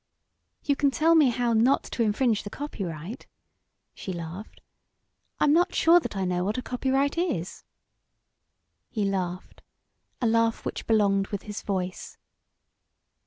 "You can tell me how not to infringe the copyright," she laughed. "I'm not sure that I know what a copyright is." He laughed a laugh which belonged with his voice.